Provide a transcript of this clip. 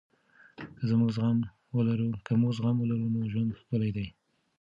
که موږ زغم ولرو نو ژوند ښکلی دی.